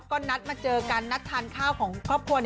ก็นัดมาเจอกันนัดทานข้าวของครอบครัว